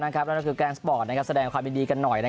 นั่นก็คือแกนสปอร์ตแสดงความยินดีกันหน่อย